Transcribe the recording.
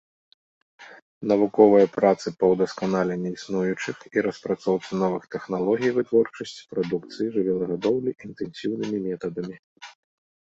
Навуковыя працы па ўдасканаленні існуючых і распрацоўцы новых тэхналогій вытворчасці прадукцыі жывёлагадоўлі інтэнсіўнымі метадамі.